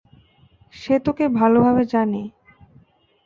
যে তোকে ভালোভাবে জানে।